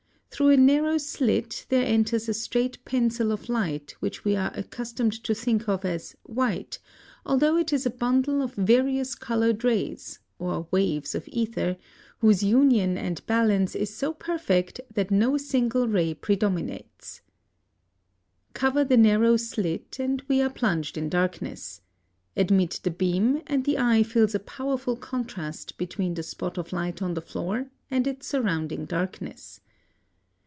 Through a narrow slit there enters a straight pencil of light which we are accustomed to think of as white, although it is a bundle of variously colored rays (or waves of ether) whose union and balance is so perfect that no single ray predominates. [Illustration: Fig. 13.] (88) Cover the narrow slit, and we are plunged in darkness. Admit the beam, and the eye feels a powerful contrast between the spot of light on the floor and its surrounding darkness.